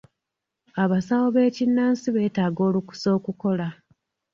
Abasawo b'ekinnansi beetaaga olukusa okukola.